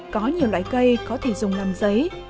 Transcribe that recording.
có nhiều loại cây có thể dùng làm giấy